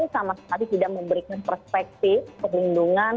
sama sekali tidak memberikan perspektif perlindungan